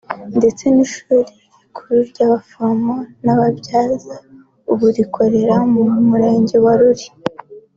ndetse n’ishuri rikuru ry’abaforomo n’ababyaza ubu rikorera mu murenge wa Ruli